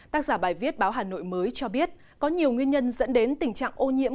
tác giả bài viết báo hà nội mới cho biết có nhiều nguyên nhân dẫn đến tình trạng ô nhiễm